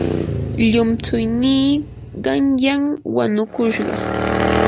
llumtsuynii qanyan wanukushqa.